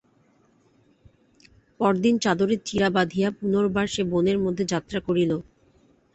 পরদিন চাদরে চিঁড়া বাঁধিয়া পুনর্বার সে বনের মধ্যে যাত্রা করিল।